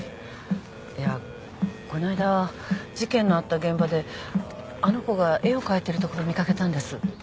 いやこの間事件のあった現場であの子が絵を描いてるところ見掛けたんです。